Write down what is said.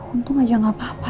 untung aja gak apa apa